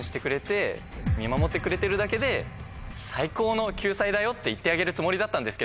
見守ってくれてるだけで。って言ってあげるつもりだったんですけど。